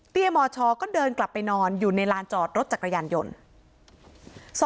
มชก็เดินกลับไปนอนอยู่ในลานจอดรถจักรยานยนต์